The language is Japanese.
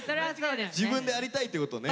自分でありたいってことね。